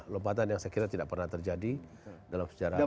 lompatan yang saya kira tidak pernah terjadi dalam sejarah